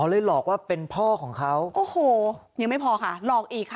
เลยหลอกว่าเป็นพ่อของเขาโอ้โหยังไม่พอค่ะหลอกอีกค่ะ